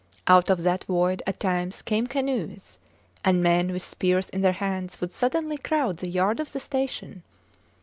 Out of that void, at times, came canoes, and men with spears in their hands would suddenly crowd the yard of the station.